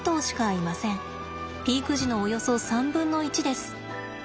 ピーク時のおよそ３分の１です。